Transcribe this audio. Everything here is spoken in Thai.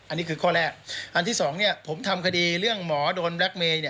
อันนี้คือข้อแรกอันที่สองเนี่ยผมทำคดีเรื่องหมอโดนแล็คเมย์เนี่ย